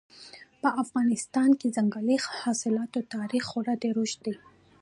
په افغانستان کې د ځنګلي حاصلاتو تاریخ خورا ډېر اوږد دی.